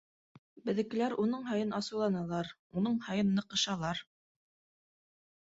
— Беҙҙекеләр уның һайын асыуланалар, уның һайын ныҡышалар.